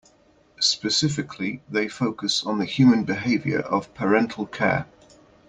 Specifically, they focus on the human behavior of parental care.